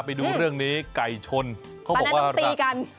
ไปดูเรื่องนี้ไก่ชนตอนนั้นต้องตีกัน